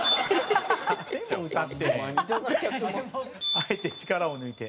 「あえて力を抜いて」。